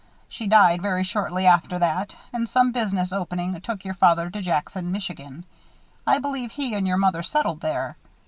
She died very shortly after that and some business opening took your father to Jackson, Michigan. I believe he and your mother settled there.